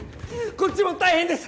こっちも大変です！